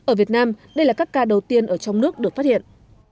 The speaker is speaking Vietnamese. ở việt nam đây là các ca đầu tiên ở trong nước được phát hiện